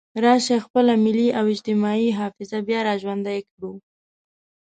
راشئ خپله ملي او اجتماعي حافظه بیا را ژوندۍ کړو.